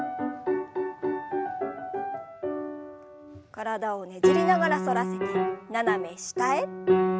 体をねじりながら反らせて斜め下へ。